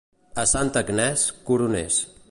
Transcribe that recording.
A Santa Agnès, coroners.